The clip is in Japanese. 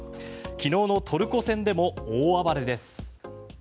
昨日のトルコ戦でも大暴れです。